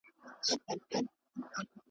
ویل یې؛ چې ابا مې دری کاله نۀ ؤ لیدلی.